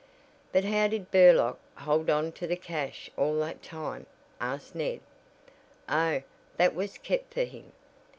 "But how did Burlock hold on to the cash all that time?" asked Ned. "Oh, that was kept for him.